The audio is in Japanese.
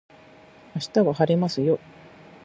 明日は晴れますよ